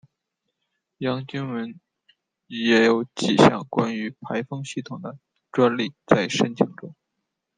杨经文也有几项关于排风系统的专利在申请中。